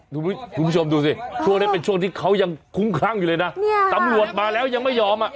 คุณผู้ชมดูสิช่วงนี้เป็นช่วงที่เขายังคุ้มคลั่งอยู่เลยนะเนี่ยตำรวจมาแล้วยังไม่ยอมอ่ะ